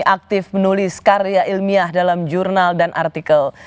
aktif menulis karya ilmiah dalam jurnal dan artikel